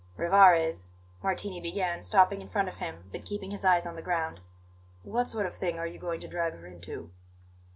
"Rivarez!" Martini began, stopping in front of him, but keeping his eyes on the ground; "what sort of thing are you going to drag her into?"